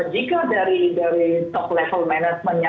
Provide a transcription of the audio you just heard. jika dari top level management nya